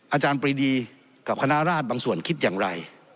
อาจารย์ปรีดีกับคณะราชบางส่วนคิดอย่างไร